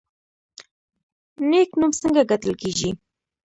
نیک نوم څنګه ګټل کیږي؟